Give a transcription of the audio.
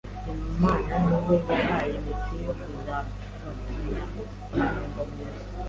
Imana niwe yahaye Mission yo kuzabatumira hano ngo muze